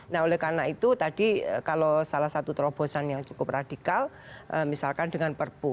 nah oleh karena itu tadi kalau salah satu terobosan yang cukup radikal misalkan dengan perpu